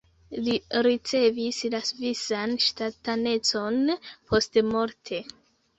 Li ricevis la svisan ŝtatanecon postmorte.